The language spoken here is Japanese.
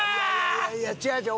いやいやいや違う違う。